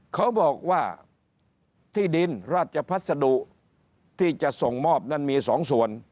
เขาบอกว่าที่ดินราชพัสดุที่จะส่งมอบนั้นมี๒ส่วน